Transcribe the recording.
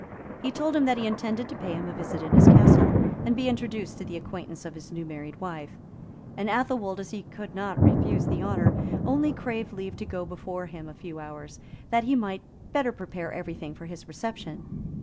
He told him that he intended to pay him a visit in his castle, and be introduced to the acquaintance of his new married wife; and Athelwold, as he could not refuse the honor, only craved leave to go before him a few hours, that he might the better prepare every thing for his reception.